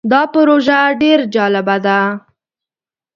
دا پروژه ډیر جالبه ده.